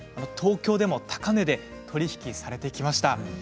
東京でも高値で取り引きされてきました。